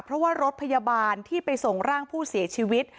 เพราะว่ารถพยาบาลที่ไปส่งร่างผู้เสียชีวิต